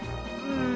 うん。